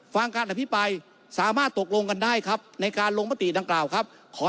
ฟังการอภิปรายสามารถตกลงกันได้ครับในการลงมติดังกล่าวครับขอ